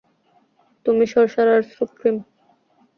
তুমি সর্সারার সুপ্রিম।